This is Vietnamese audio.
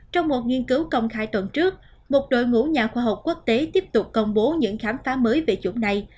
trong một nghiên cứu công khai tuần trước một đội ngũ nhà khoa học quốc tế tiếp tục công bố những khám phá mới về chủng này